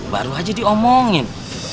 baru aja diomongin